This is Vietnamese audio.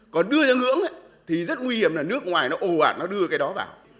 còn đưa ra ngưỡng thì rất nguy hiểm là nước ngoài nó ồ ạt nó đưa cái đó vào